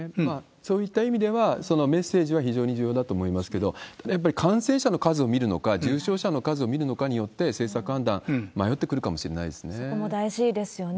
そういった意味では、そのメッセージは非常に重要だと思いますけれども、やっぱり感染者の数を見るのか、重症者の数を見るのかによって、政策判断、そこも大事ですよね。